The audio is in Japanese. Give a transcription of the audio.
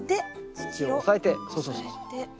土を押さえてそうそうそうそう。